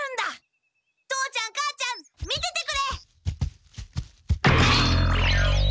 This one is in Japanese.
父ちゃん母ちゃん見ててくれ！わひっ！？